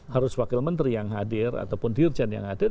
harus wakil menteri yang hadir ataupun dirjen yang hadir